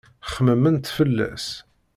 Xemmement fell-as.